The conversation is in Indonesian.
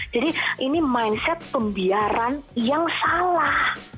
jadi ini mindset pembiaran yang salah